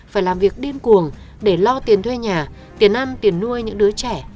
phải làm việc điên cuồng để lo tiền thuê nhà tiền ăn tiền nuôi những đứa trẻ